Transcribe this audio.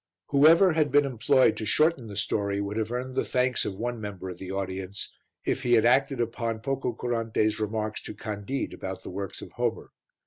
Whoever had been employed to shorten the story would have earned the thanks of one member of the audience if he had acted upon Pococurante's remarks to Candide about the works of Homer.